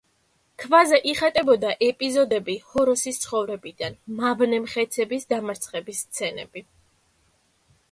ქვაზე იხატებოდა ეპიზოდები ჰოროსის ცხოვრებიდან, მავნე მხეცების დამარცხების სცენები.